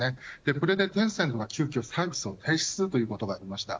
これで、テンセントが急きょサービスを停止するということがありました。